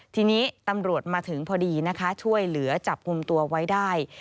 ทีนี้ตำรวจมาถึงพอดีนะคะช่วยเหลือจับกลุ่มตัวไว้ได้